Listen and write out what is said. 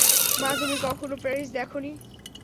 মা, তুমি কখনো প্যারিস দেখো নি।